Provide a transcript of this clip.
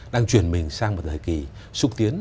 đang chuyển mình sang một thời kỳ xúc tiến